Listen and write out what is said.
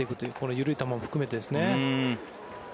緩い球を含めてですね。